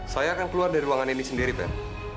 saya akan keluar dari ruangan ini sendiri pak